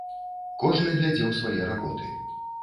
Кожны глядзеў свае работы.